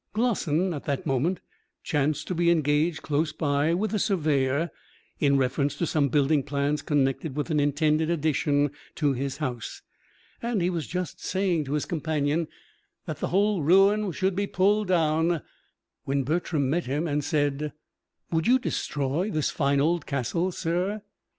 Glossin at that moment chanced to be engaged close by with a surveyor, in reference to some building plans connected with an intended addition to his house; and he was just saying to his companion that the whole ruin should be pulled down, when Bertram met him, and said: "Would you destroy this fine old castle, sir?"